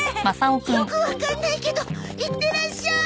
よくわかんないけどいってらっしゃい。